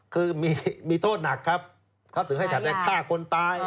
คือมีโทษหนักครับเขาถึงให้ถัดแรกฆ่าคนตาย